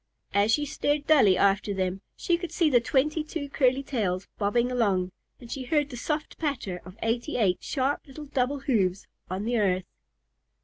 As she stared dully after them she could see the twenty two curly tails bobbing along, and she heard the soft patter of eighty eight sharp little double hoofs on the earth.